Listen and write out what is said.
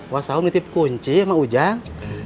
wasau menitip kunci mak ujang